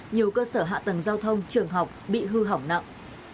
nhiều cơ sở hạ tầng giao thông trường học bị hư hỏng nặng